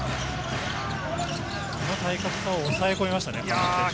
この体格差、抑え込みましたね。